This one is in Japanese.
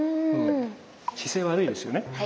姿勢悪いですよね。